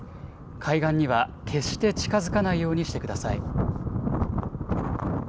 海岸には決して近づかないようにしてください。